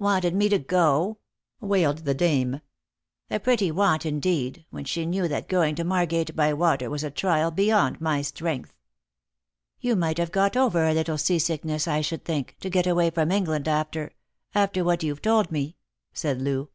"Wanted me to go!" wailed the dame; "a pretty want, indeed, when she knew that going to Margate by water was a trial beyond my strength. " You might have got over a little sea sickness, I should think, to get away from England, after — after what you've told me," said Loo.